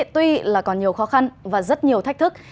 tuy là còn nhiều khó khăn và rất nhiều thách thức